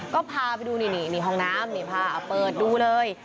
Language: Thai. ก็พาไปดูนี่นี่ห้องน้ำนี่พาเปิดดูเลย